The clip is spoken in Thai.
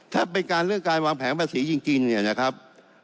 ถ้าเป็นการเรื่องการวางแผงภาษีจริงเนี่ยนะครับ